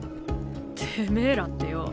てめえらってよ